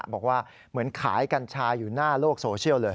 บอกว่าเหมือนขายกัญชาอยู่หน้าโลกโซเชียลเลย